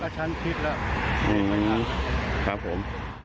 อืมครับผม